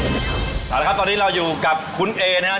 เอาละครับตอนนี้เราอยู่กับคุณเอนะครับ